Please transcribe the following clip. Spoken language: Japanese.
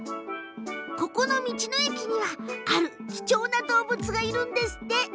ここの道の駅にはある貴重な動物がいるんですって。